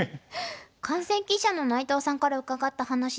観戦記者の内藤さんから伺った話ですが。